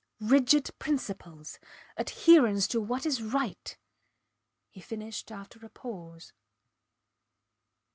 Rigid principles adherence to what is right, he finished after a pause.